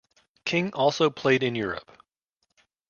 King also played in Europe.